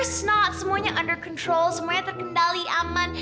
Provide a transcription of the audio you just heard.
tentu tidak semuanya terkendali aman